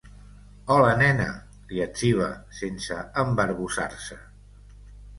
Hola nena, li etziba sense embarbussar-se.